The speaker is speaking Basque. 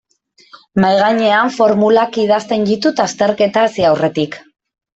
Mahaigainean formulak idazten ditut azterketa hasi aurretik.